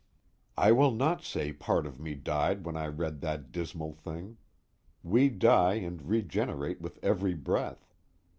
_I will not say part of me died when I read that dismal thing. We die and regenerate with every breath.